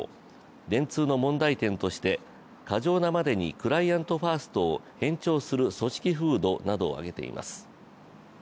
電通の問題点として、過剰なまでにクライアント・ファーストを偏重する組織風土などを挙げています。